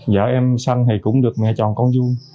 vợ em xanh thì cũng được nghe tròn con vui